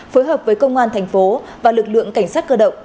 phối hợp với công an thành phố và lực lượng cảnh sát cơ động